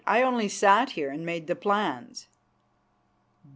"I only sat here and made the plans."